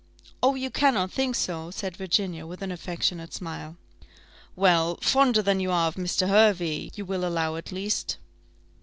"Oh! you cannot think so," said Virginia, with an affectionate smile. "Well! fonder than you are of Mr. Hervey, you will allow, at least?"